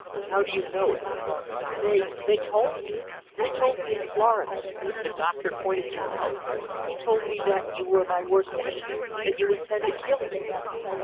"How do you know it?" "They they told me. They told me in Florence. The doctor pointed you out. He told me that you were my worst enemy that you intend to kill me!"